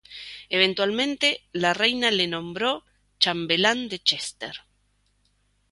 Eventualmente, la reina le nombró chambelán de Chester.